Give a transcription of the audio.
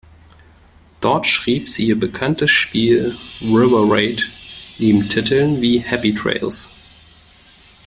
Dort schrieb sie ihr bekanntestes Spiel River Raid, neben Titeln wie Happy Trails.